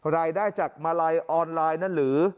รายได้จากมาลัยออนไลน์นั่นหรือ